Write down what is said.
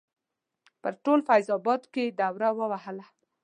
پر ټول فیض اباد یې دوره ووهله.